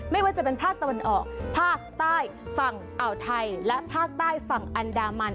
ไม่ว่าจะเป็นภาคตะวันออกภาคใต้ฝั่งอ่าวไทยและภาคใต้ฝั่งอันดามัน